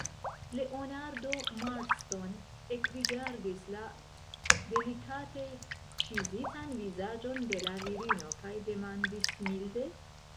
Leonardo Marston ekrigardis la delikate ĉizitan vizaĝon de la virino, kaj demandis milde: